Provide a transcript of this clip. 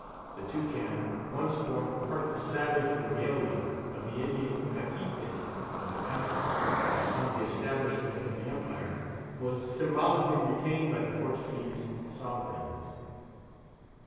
The Toucan once formed part of the savage regalia of the Indian caciques of the country, and upon the establishment of the empire, was symbolically retained by the Portuguese sovereigns.